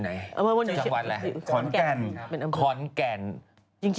สนุนโดยดีที่สุดคือการให้ไม่สิ้นสุด